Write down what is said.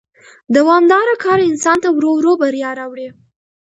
دوامدار کار انسان ته ورو ورو بریا راوړي